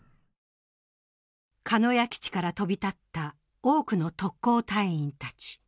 鹿屋基地から飛び立った多くの特攻隊員たち。